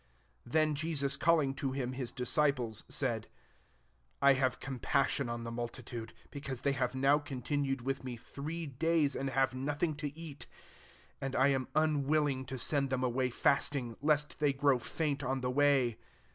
32 Then Jesus calling to him his disciples, said, " I have compassion on the multitude, because they have now continu ed with me three days, and have nothing to eat: and I am unwilling to send them away fasting, lest tliey grow feiint on the way."